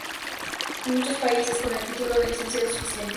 En muchos países con el título de licenciado es suficiente.